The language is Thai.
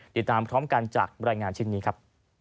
ติดตามพร้อมกันจากรายงานชิ้นนี้ครับ